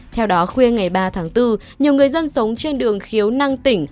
theo đó khuya ngày ba tháng bốn nhiều người dân sống trên đường khiếu năng tỉnh